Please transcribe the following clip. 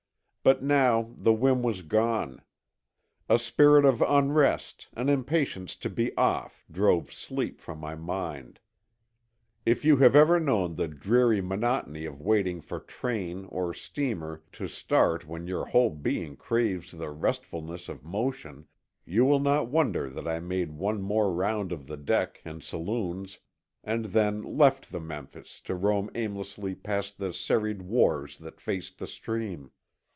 But now the whim was gone; a spirit of unrest, an impatience to be off, drove sleep from my mind. If you have ever known the dreary monotony of waiting for train or steamer to start when your whole being craves the restfulness of motion you will not wonder that I made one more round of the deck and saloons and then left the Memphis to roam aimlessly past the serried wharves that faced the stream.